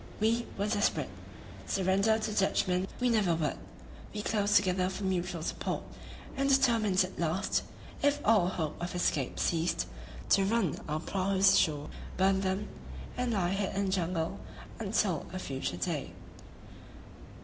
We were desperate; surrender to Dutchmen we never would; we closed together for mutual support, and determined at last, if all hope of escape ceased, to run our prahus ashore, burn them, and lie hid in the jungle until a future day.